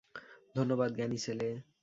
ধন্যবাদ, জ্ঞানী ছেলে।